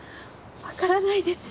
わからないです。